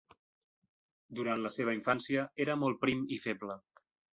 Durant la seva infància era molt prim i feble.